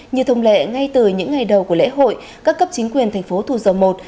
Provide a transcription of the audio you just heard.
như thông lệ ngay từ những ngày đầu của lễ hội các cấp chính quyền thành phố thủ dầu một